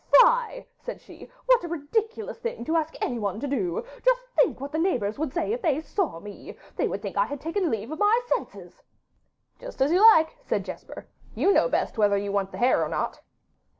'Fie,' said she; 'what a ridiculous thing to ask anyone to do; just think what the neighbours would say if they saw me. They would think I had taken leave of my senses.' 'Just as you like,' said Jesper; 'you know best whether you want the hare or not.